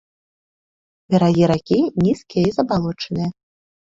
Берагі ракі нізкія і забалочаныя.